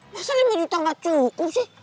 masa lima juta gak cukup sih